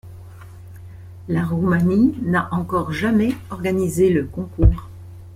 La Roumanie n'a encore jamais organisé le concours.